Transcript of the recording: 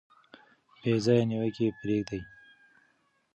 بې ځایه نیوکې پریږدئ.